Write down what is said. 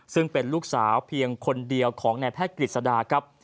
ซึ่งเป็นลูกสาวเพียงคนเดียวของนายแพทย์กฤษดาครับ